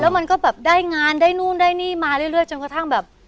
มันก็แบบได้งานได้นู่นได้นี่มาเรื่อยจนกระทั่งแบบ